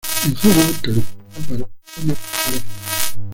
En Hollywood California para la cinematografía.